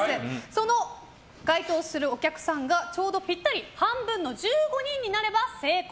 それに該当するお客さんがちょうどぴったり半分の１５人になれば成功！